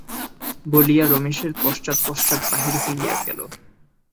বলিয়া রমেশের পশ্চাৎ পশ্চাৎ বাহির হইয়া গেল।